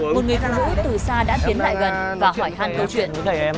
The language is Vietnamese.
một người phụ nữ từ xa đã biến lại gần và hỏi hăn câu chuyện